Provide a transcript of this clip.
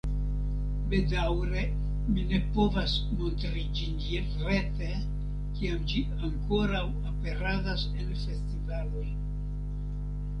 Bedaŭre mi ne povas montri ĝin rete, kiam ĝi ankoraŭ aperadas en festivaloj.